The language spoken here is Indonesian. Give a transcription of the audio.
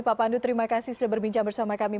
pak pandu terima kasih sudah berbincang bersama kami